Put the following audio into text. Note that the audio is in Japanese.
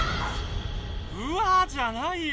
「うわぁ」じゃないよ